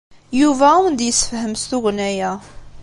Yuba ad awen-d-yessefhem s tugna-a.